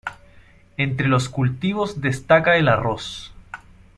Entre los cultivos destaca el arroz.